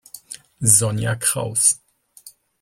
Sonja Kraus